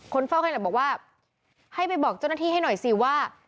เฝ้าขยะบอกว่าให้ไปบอกเจ้าหน้าที่ให้หน่อยสิว่า